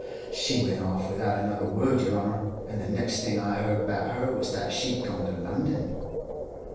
"She went off without another word, yer honour, and the next thing I heard 'bout her was that she'd gone to London."